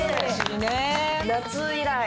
夏以来。